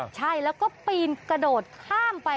ใช่แล้วก็ปีนกระโดดข้ามไป